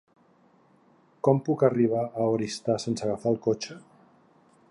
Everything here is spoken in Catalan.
Com puc arribar a Oristà sense agafar el cotxe?